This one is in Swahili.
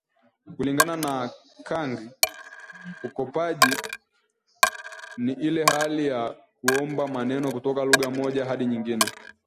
Kulingana na Kang ukopaji ni ile hali ya kuomba maneno kutoka lugha moja hadi nyingine